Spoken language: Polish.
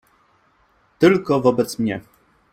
Tylko wobec mnie.